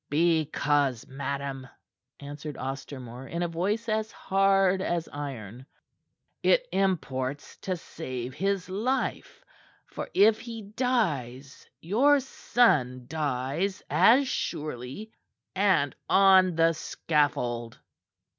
"Because, madam," answered Ostermore in a voice as hard as iron, "it imports to save his life; for if he dies, your son dies as surely and on the scaffold."